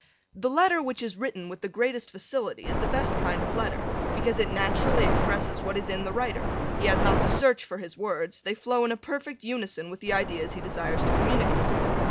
The letter which is written with the greatest facility is the best kind of letter because it naturally expresses what is in the writer, he has not to search for his words, they flow in a perfect unison with the ideas he desires to communicate.